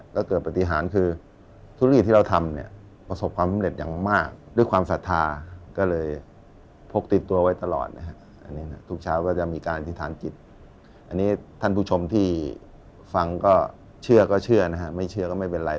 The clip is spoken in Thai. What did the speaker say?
ก็เชื่อก็เชื่อนะฮะหรือไม่เชื่อก็ไม่เป็นไง